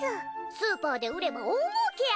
スーパーで売れば大もうけや！